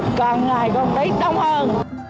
cảm thấy đông hơn